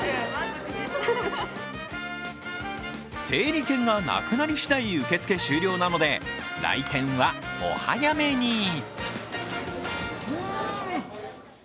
整理券がなくなりしだい受け付け終了なので、来店はお早めに！